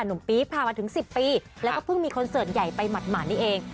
หนุ่มปี๊พามาถึง๑๐ปีแล้วก็เพิ่งมีคอนเสิร์ตใหญ่ไปหมัดหมานนี่เอง